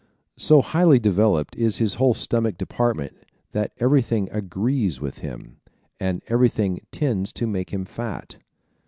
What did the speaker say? So highly developed is his whole stomach department that everything "agrees" with him. And everything tends to make him fat.